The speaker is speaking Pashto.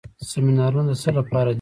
سیمینارونه د څه لپاره دي؟